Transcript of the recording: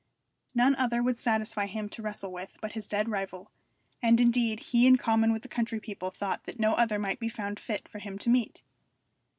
None other would satisfy him to wrestle with but his dead rival, and indeed he in common with the country people thought that no other might be found fit for him to meet.